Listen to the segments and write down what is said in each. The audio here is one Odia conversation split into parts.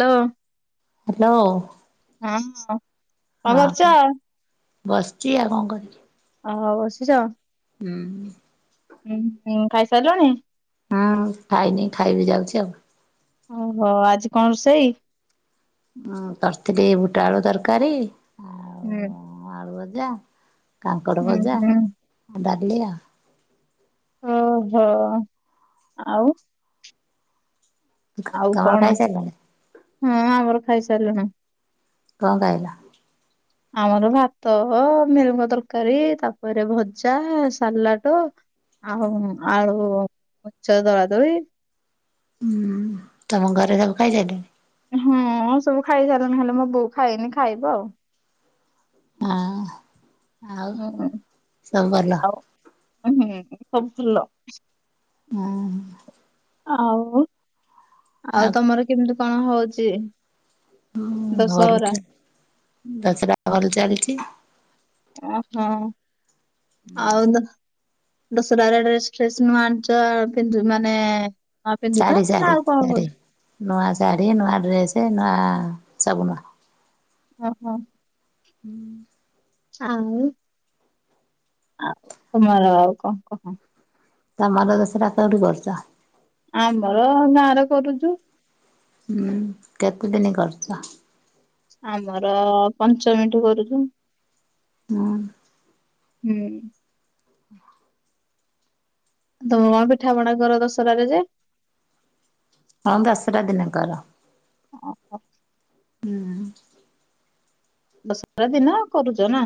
ହ୍ୟାଲୋ। ହ୍ୟାଲୋ ହଁ କଣ କରୁଛ? ବସଚି ଆଉ କଁ କରିବି। ହଉ ବସିଚ। ହୁଁ। ଉଁ ହୁଁ ଖାଇ ସାରିଲଣି? ହୁଁ ଖାଇନି ଖାଇବି ଯାଉଚି ଆଉ। ଓହୋ ଆଜି କଣ ରୋଷେଇ? ହଁ କରଥିଲି ବୁଟ ଆଳୁ ତରକାରୀ। ଆଉ ହୁଁ। ଭଜା, କାଙ୍କଡ ହୁଁ ଭଜା, ହୁଁ ଡାଲି ଆଉ। ଓହୋ ଆଉ ଆଉ ତମର କଣ ଖାଇସାରିଲଣି ହଁ ଆମର ଖାଇସାରିଲୁଣୁ। କଁ ଖାଇଲ? ଆମର ଭାତ, ମିଲ ମିକର ତରକାରୀ ତାପରେ ଭଜା, ସାଲାଡ। ଆଉ ଆଳୁ [unintelligible] ଦଳା ଦଳି। ହୁଁ ତମ ଘରେ ସବୁ ଖାଇ ସାରିଲେଣି? ହଁ ସବୁ ଖାଇ ସାରିଲେଣି ହେଲେ ମୋ ବୋଉ ଖାଇନି ଖାଇବ ଆଉ। ଆଁ। ହୁଁ ଆଉ ହୁଁ ସବୁ ଭଲ। ଓହୋ। ଆଉ ଆଉ ତମର କେମିତି କଣ ହଉଚି? ହଁ ଭଲ ଦଶରା ଭଲ ଚାଲଛି। ଉଁ ହୁଁ ଆଉ ଦ ଦଶରାରେ ଡ୍ରେସ ଫ୍ରେସ ନୂଆ ଆଣିଚ ପିନ୍ଧୁ ମାନେ ହଁ ପିନ୍ଧୁଚ ଶାଢ଼ୀ ନା ଶାଢ଼ୀ କଣ ଶାଢ଼ୀ କରୁ ନୂଆ ଶାଢ଼ୀ, ନୂଆ ଡ୍ରେସେ, ନୂଆ ସବୁ ନୂଆ। ଓହୋ। ହୁଁ। ଆଉ ଆ ତମର ଆଉ କଣ କହ? ତମର [unintelligible] କୋଉଠି କରୁଚ? ଆମର ଗାଁରେ କରୁଚୁ? ହୁଁ କେତେଦିନି କରିଚ? ଆମର ପଞ୍ଚମୀଠୁ କରୁଛୁ। ହଁ। ହୁଁ। ହଁ ତମ ପିଠାପଣା କର ଦଶରାରେ ଯେ। ହଁ ଦଶରା ଦିନେ କର। ଓହୋ। ଦଶରା ଦିନ କରୁଛ ନା।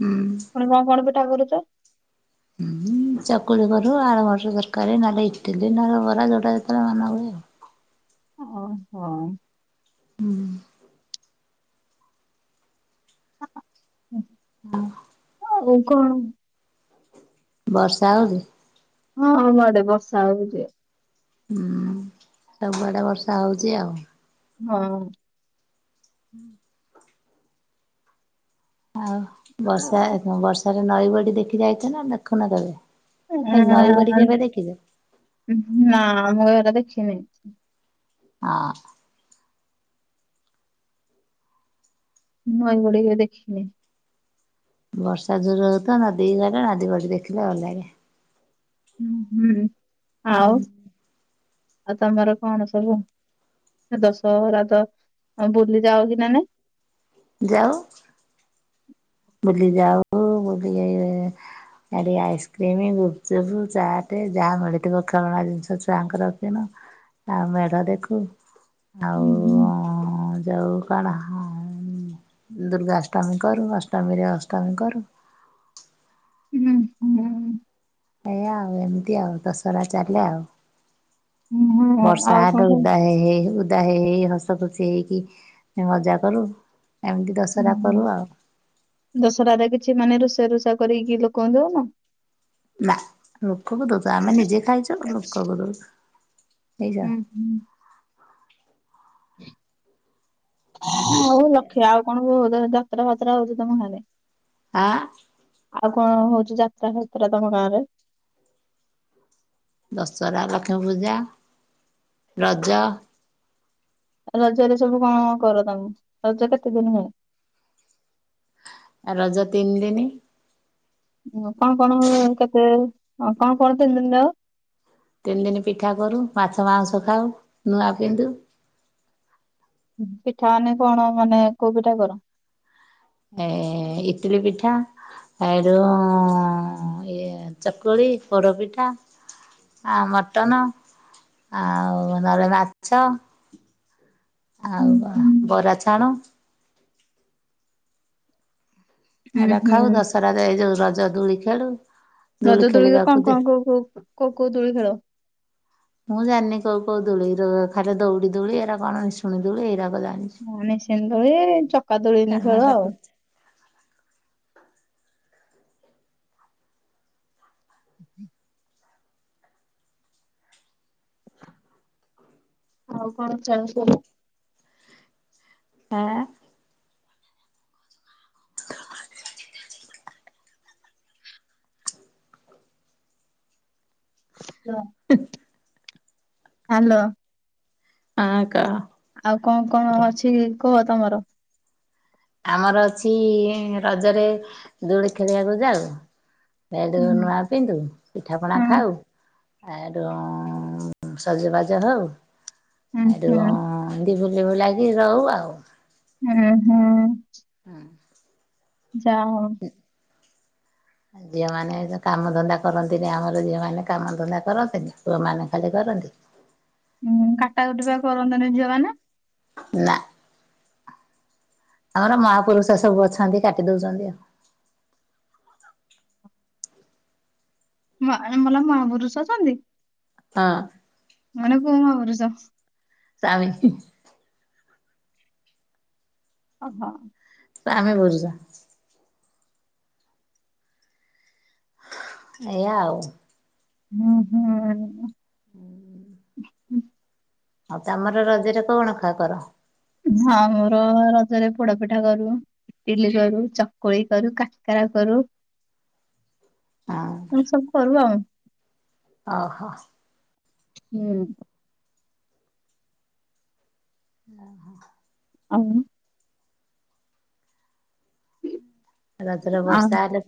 ହୁଁ କଣ କଣ ପିଠା କରୁଚ? ମୁଁ ଆଳୁ ମଟର ତରକାରୀ ନହେଲେ ଇଟିଲି ନହଲେ ବରା ଯୋଉଟା ଯେତେବେଳ ମନ ହୁଏ ଆଉ। ଓହୋ। ହୁଁ। ଆଉ କଣ? ବର୍ଷା ହଉଚି? ହଁ ଆମ ଆଡେ ବର୍ଷା ହଉଚି। ହୁଁ ସବୁଆଡେ ବର୍ଷା ହଉଚି ଆଉ। ହଁ। ହୁଁ। ଆଉ ବର୍ଷା, ଆଉ ବର୍ଷାରେ ନଈବଢି ଦେଖି ଯାଇଛ ନା ଦେଖୁନା କେବେ? ଏଇ ନଈ ବଢି କେବେ [unintelligible] ଦେଖିଛ? ନା ମୁଁ ଏରା ଦେଖିନି। [unintelligible] ନଈ ବଢ଼ି କେବେ ଦେଖିନି। ବର୍ଷା ଜୋର। [unintelligible] ହୁଁ ହୁଁ ଆଉ, ଆଉ ତମର କଣ ସବୁ। ଦଶହରା ତ ଆଉ ବୁଲି ଯାଉଚି ନା ନାଇ। ଯାଅ। ବୁଲି ଯାଉ, ବୁଲି ଯାଇ। ଇଆଡେ ଆଇସ୍କ୍ରିମ, ଗୁପଚୁପ, ଚାଟ ଯାହା ମିଳିଥିବ ଖେଳଣା ଜିନିଷ ଛୁଆଙ୍କର କିଣ। ଆ ମେଢ ଦେଖୁ? ହୁଁ ହୁଁ ଆଉ ଯାଉ କଣ ହଁ ଦୁର୍ଗାଷ୍ଟମୀ କରୁ ଅଷ୍ଟମୀରେ ଅଷ୍ଟମୀ କରୁ। ହୁଁ ହୁଁ ହ ଏୟା ଆଉ ଏମିତି ଆଉ ଦଶହରା ଚାଲେ ଆଉ। ହୁଁ। ବର୍ଷା ଆଉ କଣ [unintelligible] ସବୁ ଉଦା ହେଇ ହେଇ ଗଲୁ। ଓଦା ହେଇ ହେଇ ହସ ଖୁସି ହେଇକି ମଜା କରୁ। ଏମିତି ହୁଁ ଦଶହରା ହୁଁ। କରୁ ଆଉ। ଦଶହରାରେ କିଛି ମାନେ ରୋଷେଇ ରୁଷା କରିକି ଲୋକଙ୍କୁ ଦଉନ? ନା ଲୋକକୁ ଦୋଉଛୁ ଆମେ ନିଜେ ଖାଇଛୁ ନା ଲୋକକୁ ଦଉଚୁ। ହୁଁ ହୁଁ। ଆଉ ଲକ୍ଷ ଆଉ କଣ। [unintelligible] ଯାତା ଫାତ୍ରା ହଉଚି ତମ ଗାଆଁ ରେ। ଆଁ। ଆଉ କଣ ହଉଛି ଯାତ୍ରା ଫାତ୍ରା ତମ ଗାଁ ରେ? ଦଶହରା, ଲକ୍ଷ୍ମୀ ପୂଜା, ରଜ। ରଜରେ ସବୁ କଣ କର ତମେ? ରଜ କେତେ ଦିନ ହୁଏ? ରଜ ତିନିଦିନି। କଣ କଣ କେତେ କଣ କଣ ତିନି ଦିନି ଜାଓ? ତିନି ଦିନ ପିଠା କରୁ, ମାଛ ମାଉଁସ ଖାଉ, ନୂଆ ପିନ୍ଧୁ। ପିଠା ମାନେ କଣ ମାନେ କୋଉ ପିଠା କର? ଏ ଇଟଲି ପିଠା ହେଡୁ ଇଏ ଚକୁଳି, ପୋଡ ପିଠା। ଆ ମଟନ ଆଉ ନହେଲେ ମାଛ ହୁଁ ଆଉ କଣ ହୁଁ ବରା ଛାଣୁ। ଉଁ ଏରା ଖାଉ ହୁଁ ଦଶହରା ଏଇ ଯୋଉ ରଜ ଦୋଳି ଖେଳୁ। ଦୋଳି ରଜ ଦୋ ରେ ଖେଳିବାକୁ କଣ ଦେ କଣ କୋଉ କୋଉ କୋଉ କୋଉ ଦୋଳି ଖେଳ? ମୁଁ ଜାଣିନି କୋଉ କୋଉ ଦୋଳି। ଖାଲି ଦୌଡି ଦୋଳି ଏରା କଣ ନିଶୁଣି ଦୋଳି ଏଇରା ହଁ ନିଶୁଣି ଦୋଳି ଚକା ଦୋଳି ଏନ୍ତି କାରମା ଖେଳୁ ଆଉ। ପାଖରୁ [inaudible] ଆଉ କଣ। [unintelligible] ଆଁ [unintelligible] [inaudible] ହ୍ୟାଲୋ। ହଁ କହ। ଆଉ କଣ କଣ ଅଛି କୁହ ତମର? ଆମର ଅଛି ରଜରେ ଦୂଳି ଖେଳିବାକୁ ଯାଉ। ହେଟୁ ହୁଁ ନୂଆ ପିନ୍ଧୁ, ପିଠା ପଣା ହୁଁ ଖାଉ। ଏଠୁ ସଜବାଜ ହଉ। ହୁଁ ଏଠୁ ହୁଁ ଏନ୍ତି ବୁ ବୁଲାକି ରହୁ ଆଉ। ହୁଁ ହୁଁ। ହଁ। ଯା ହୋଉ। ଝିଅମାନେ କାମ ଧନ୍ଦା କରନ୍ତିନି ଆମର ଝିଅ ମାନେ କାମ ଧନ୍ଦା କରନ୍ତିନି ପୁଅ ମାନେ ଖାଲି କର କରନ୍ତି। ହୁଁ କାଟା କଟିବା କରନ୍ତନି ଝିଅମାନେ। ନା। ଆମର ମହାପୁରୁଷ ସବୁ ଅଛନ୍ତି କାଟି ଦଉଛନ୍ତି ଆଉ। ମଲା ମହାପୁରୁଷ ଅଛନ୍ତି ହଁ। ମାନେ [unintelligible] ସାମି। ଓ ହୋ। ଆମେ ବୁଝୁଛ ଏଇଆ ଆଉ। ହୁଁ ହୁଁ। ହଉ ତମର ରଜରେ କଣ [unintelligible] କର? ହଁ ମୋର ରଜରେ ପୋଡା ପିଠା କରୁ। ଇଟିଲି କରୁ ଚକୁଳି କରୁ କାକାରା କରୁ। ହଁ ତମେ ସବୁ [unintelligible] ଓହୋ। ହୁଁ। ଓ ହୋ। ହଉ। ରାଜରେ ଆଉ ବର୍ଷା ହେଲେ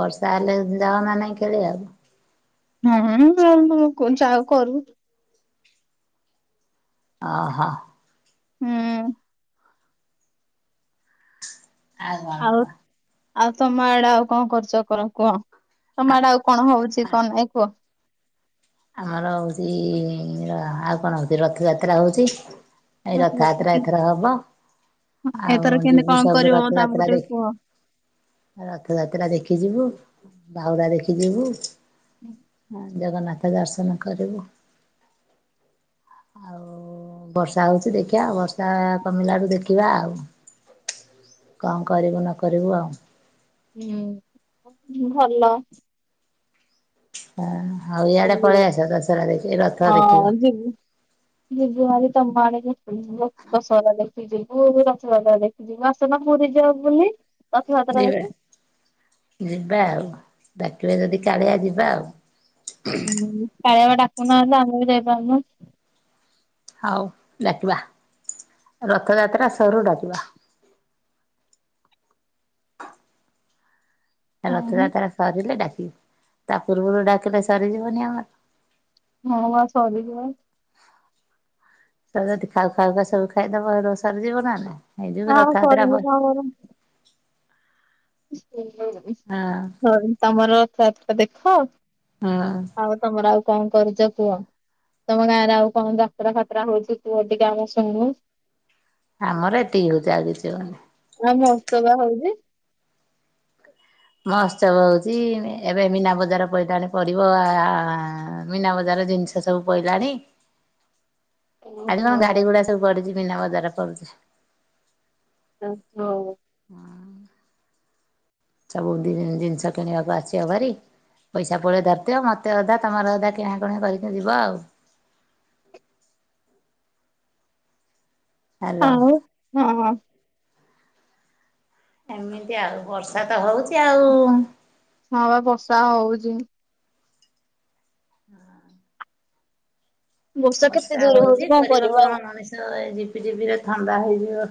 ବର୍ଷା ହେଲେ ଯାଉନା ନାଇଁ ଖେଳି ଆଉ। ହଁ [unintelligible] କରୁ। ଓହୋ। ହୁଁ। ଆଉ କଣ କହ? ଆଉ ତମ ଆଡେ ଆଉ କଣ କରୁଚ କଣ କୁହ, ଆ ତମ ଆଡା ଆଉ କଣ ହଉଚି କଣ ନାଇଁ? ଆମର ହଉଚି ଆଉ କଣ ହଉଚି ରଥଯାତ୍ରା ହଉଚି। ଏଇ ରଥଯାତ୍ରା ଏଥର ହବ। ଆଉ ଏଥର କେମିତି ଯିବୁ କଣ ସବୁ କରିବ ମତେ ଆମକୁ ରଥଯାତ୍ରା ଟିକେ ଦେଖ କୁହ? ରଥଯାତ୍ରା ଦେଖି ଯିବୁ ବାହୁଡ଼ା ଦେଖି ଯିବୁ। ହୁଁ। ଜଗନ୍ନାଥ ଦର୍ଶନ କରିବୁ, ଆଉ ବର୍ଷା ହଉଚି ଦେଖିବା ବର୍ଷା କମିଲାଠୁ ଦେଖିବା ଆଉ। କଣ କରିବୁ ନ କରିବୁ ଆଉ। ହୁଁ ଭଲ। ହ ଆଉ ଇଆଡେ ଏମିତି ପଳେଇ ଆସ ଦଶରା ଦେଖ ରଥ ଦେଖିବ ଯୁ ଆଜି ତମ ଆଡ଼େ। ଦଶହରା ଦେଖିଯିବୁ ରଥାଯାତ୍ରା ଦେଖିଜିବୁ ଆସୁନ ପୁରୀ ଯିବା ବୁଲି। ରଥଯାତ୍ରା ଯିବା ଦେଖି ଯିବା ଆଉ ଡାକିବେ ଯଦି କାଳିଆ ଯିବା ଆଉ। ହୁଁ କଳିଆକୁ ଡାକୁନାହାନ୍ତି ଆମେ ବି ଯାଇପାରୁନୁ। ହଉ ଡାକିବା ରଥଯାତ୍ରା ସରୁ ଡାକିବା। [unintelligible] [inaudible] ରଥଯାତ୍ରା ସରିଲେ ଡାକିବ ତା ପୂର୍ବରୁ ଡାକିଲେ ସରିଯିବନି ଆମର। ହଁ ବା ସରିବ। ଯଦି ଖାଉ ଖାଉ ସବୁ ଖାଇଦବ ସରିଯିବ ନା ନାଇଁ। ଏଇ ଯ ଆଉ ରଥଯାତ୍ରା ପରେ ସରିଯିବ ହଁ ତମର ରଥଯାତ୍ରା ଦେଖ? ହଁ ଆଉ ତମର ଆଉ କଣ କରୁଛ କୁହ? ତମ ଗାଁରେ ଆଉ କଣ ଯାତରା ଖାତରା ହଉଛି ତୁ ଟିକେ ଆମକୁ ଶୁଣିବୁ? ଆମର ଏତିକି ହଉଛି ଆଉ କିଛି ହଉନି ଆ ମସ୍ତ ବା ହଉଛି। ମହୋତ୍ସବ ହଉଛି ଏବେ ମୀନାବଜାର ପଇଲାଣି ପଡିବ ଆ ମୀନାବଜାର ଜିନିଷ ସବୁ ପଇଲାଣି। ଆଜି କଣ ଓହୋ ଗାଡିଗୁଡା ସବୁ ଗଢୁଛି ବିନା ବଜାର ପଡୁଛି। ହଉ। ସବୁ ଜିନିଷ କିଣିବାକୁ ଆସିବା ଭାରି। ପଇସା ପୁଳେ ଧରିଦିଅ ମତେ ଅଧା ତମର ଅଧା କିଣାକଣି କରିକି ଯିବ ଆଉ। ହାଲୋ। ଆଉ ହଁ ହଁ ଏମିତି ଆଉ ବର୍ଷା ତ ହଉଚି ଆଉ। ହଁ ବା ବର୍ଷା ହଉଚି। ହଁ। ବର୍ଷା ହଉଛି କରିବ କଣ ମଣିଷ ଏ ଝପିଝିପି ରେ ଥଣ୍ଡା ହେଇଯିବ।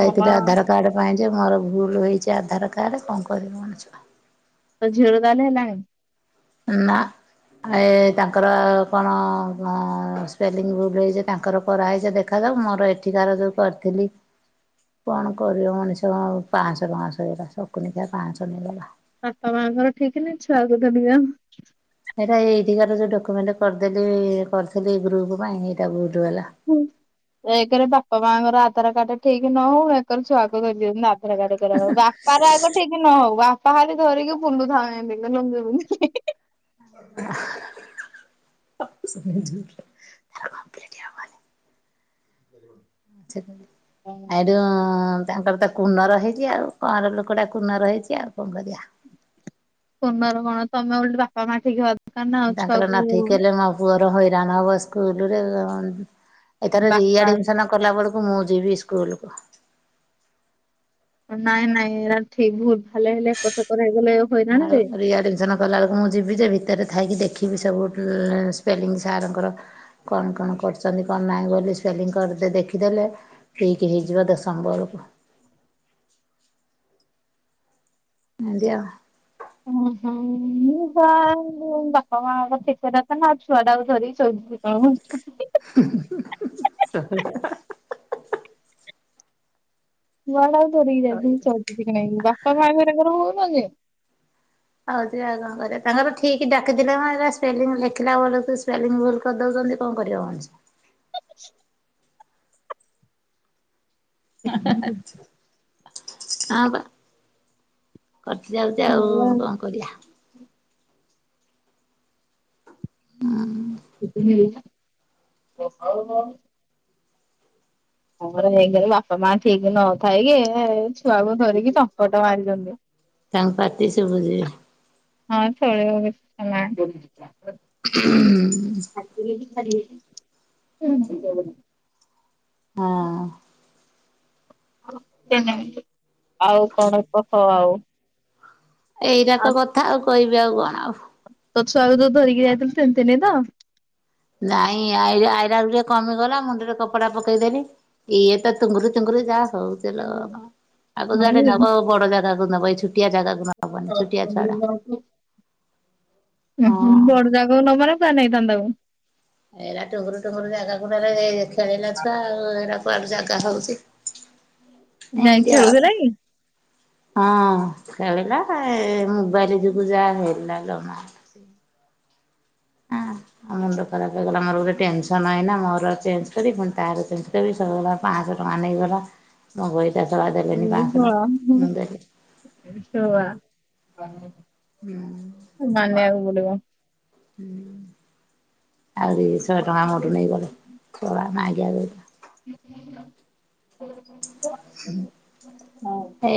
ହଁ ବା ଆଧାର କାର୍ଡ ପାଇଁ ଯେ ମୋର ଭୁଲ ହେଇଛି ଆଧାର କାର୍ଡ କଣ କରିବ ମଣିଷ। ତ ଝିଅ ର ତାହେଲେ ହେଲାନି। ନା। ଏ ତାଙ୍କର କଣ ସ୍ପେଲିଙ୍ଗ୍ ଭୁଲ ହେଇଛି ତାଙ୍କର କରା ହେଇଛି ଦେଖା ମୋର ଏଠିକାର ଯୋଉ କରିଥିଲି। କଣ କରିବ ମଣିଷ ପାଁଶହ ଟଙ୍କା ସହିଲା ଶକୁନିକିଆ ପାଁଶହ ନେଇଗଲା। ବାପା ମାଆଙ୍କର ଠିକ ନାହି ଛୁଆକୁ ଧରିଆ ସେଇଟା ଏଇଠିକାର ଯୋଉ ଡକୁମେଣ୍ଟ କରିଦେଲି କରିଥିଲି ଗ୍ରୁପ ପାଇଁ ଏଇଟା ଭୁଲ୍। ହୁଁ ଏକରେ ବାପା ମାଆଙ୍କର ଆଧାର କାର୍ଡ ଠିକ ନ ହଉ ଏକର ଛୁଆକୁ କରିଦିଅନ୍ତି। ବାପାର ଆଗ ଠିକ ନ ହଉ ବା ପାହାରେ ଧରିକିି ବୁଲୁଥାନ୍ତି ଲ [unintelligible] [unintelligible] ଆଇଡୁ ତାଙ୍କର ତ କୂର୍ଣ୍ଣର ହେଇଛି ଆଉ କଣଁର ଲୋକଟା କୂର୍ଣର ହେଇଛି ଆଉ। କଣ କରିବା। କୁନର କଣ ତମେ ଓଲଟି ବାପା ମା ଠିକି ତାଙ୍କର ନାତି ହେଲେ ମୋ ପୁଅ। ହଇରାଣ ହବ ସ୍କୁଲରେ ଏଥର ବାପା ରିଆଡମିଶନ କଲା ବେଳକୁ। ମୁ ଯିବି ସ୍କୁଲକୁ। ନାଇଁ ନାଇଁ ଏରା ଠିକ ଭୁଲ। ଭାଲ ହେଲେ ଏକର ସେକର ହେଇଗଲେ ହଇରାଣ ଆଉ ଯେ। ରିଆଡମିସନ କଲା ବେଳକୁ ମୁଁ ଯିବି ଯେ ଭିତରେ ଥାଇକି ଦେଖିବି। ଏଠ ବି ସବୁ ସ୍ପେଲିଂ ସାର୍ ଙ୍କର କଣ କଣ କରୁଛନ୍ତି କଣ ନାହିଁ ବୋଲି ସ୍ପେଲିଂ କରି ଦେଖିଦେଲେ ଠିକ ହେଇଯିବ ଦଶମ ବେଳକୁ। [unintelligible] ଓ ହ ମୁ ବା ବାପା ମାଙ୍କ ସେତଟା ତ ନା ଛୁଆ ଟା ଆଉ ଧରିକି ଶୋଇ [unintelligible] ହୁ ହୁନ ହୁ ହହ କୁଆଡେ ଆଉ ଧରିକି ରହିବ। ଯାଇଛନ୍ତି ବାପା ମାଙ୍କର ହଉ ଯେ ହଉ ଯେ ଆଉ କଣ କରିବା ତାଙ୍କର ଠିକ ଡାକିଦେଲେ ସ୍ପେଲିଙ୍ଗ ଲେଖିଲା ବେଳକୁ ଭୁଲ କରିଦଉଛ କଣ କରିବ ମଣିଷ। ଆ ବା। କଟି ଯାଉଛି ଆଉ ହଉଛନ୍ତି। କଣ କରିବା। ହଁ। [unintelligible] ହଁ ପରା ବାପା ମା ଠିକ ନଥାଇ କି ଛୁଆକୁ ଧରିକି ଚମ୍ପଟ ମାରିଛନ୍ତି। ତାଙ୍କ ପାଟି ସୁବୁଚି। ହଁ ଖେଳୁ। [unintelligible] ହ ଖାଲି। [unintelligible] ହଁ। ଆଉ କଣ କଖ ଆଉ? ଏଇଟାକ କଥା ଆଉ କହିବି ଆଉ କଣ ଆଉ ତ ଛୁଆକୁ ତ ଧରିକି ଯାଇଥିଲୁ ତିନ୍ତିନି ତ? ନାଇଁ ଆଇରା ଗୁ କମିଗଲା ମୁଣ୍ଡରେ କପଡା ପକେଇଦେଲି ଇଏ ତ ତୁଙ୍ଗୁରି ତୁଙ୍ଗୁରି ଯା ହଉଥିଲା ଆଗ ହଇ ଯୁଆଡେ ନବ ବଡ ଜାଗାକୁ ନବ ଏଇ ଛୋଟିଆ ଜାଗାକୁ ନବନି ଛୋଟିଆ ଛୁଆଟା। ଉଁ ହଁ। ହୁଁ ବଡଦାଗ ନ ମାନ ନା ନାଇଁ। ତାନ୍ଦାଉଁ। ଏଇଟା ଟୁଙ୍ଗୁରୁ ଟୁଙ୍ଗୁରୁ ଜାଗା ଗୁଡାରେ ଖେଳିଲା ଛୁଆ ଆଉ ଏଇଟା କୁଆଡ ଜାଗା ତା ହଉଛି। ନାଇଁ ଏମିତି ଆଉ ଖେଳୁଥିଲା କି? ହଁ ଖଳିଲା ଏ ମୁବାଇଲ ଯକୁୁଜା ହେଲା ଲୋ ମାଆ। ସେ ହଁ ଆମୁଣ୍ଡ ଖରାପ ହେଗଲା ଆମରୋେ ଟେନସନ୍ ଆଇନା ମୋର ଚେଞ୍ଜ କରିଵି ତାର ଚେଞ୍ଜ କରି ପାଞ୍ଚଶହ ଟଙ୍କା ନେଇଗଲା ମୋ ଶଳା ଦେଲେନି ଉଁ ପାଞ୍ଚଶହ ଟଙ୍କା ମୁଁ ଦେଲି ହଁ ଛୁଆ ମାନିବାକୁ ପଡିବ। ହଁ ଆହୁରି ଶହେ ଟଙ୍କା ମୋଟ ନେଇଗଲେ! ! ! ! ! ! ! ! ! ! [inaudible] ଏ